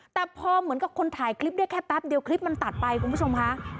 แต่พอเหมือนกับคนถ่ายคลิปได้แค่แป๊บเดียวคลิปมันตัดไปคุณผู้ชมค่ะ